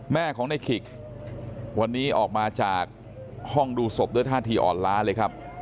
แม่ของในขิกวันนี้ออกมาจากห้องดูศพด้วยท่าทีอ่อนล้าเลยครับ